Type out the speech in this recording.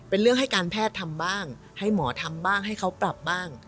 เป็นเรื่องให้การแพทย์ทำบ้างให้หมอทำบ้างให้เขาปรับบ้าง